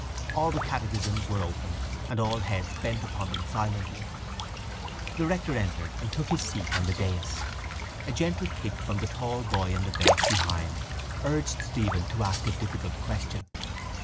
All the catechisms were opened and all heads bent upon them silently. The rector entered and took his seat on the dais. A gentle kick from the tall boy in the bench behind urged Stephen to ask a difficult question.